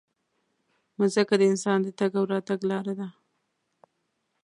مځکه د انسان د تګ او راتګ لاره ده.